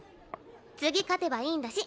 次勝てばいいんだし。